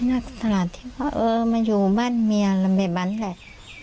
ขนาดที่ว่าเออมาอยู่บ้านเมียลำเบบันแหละ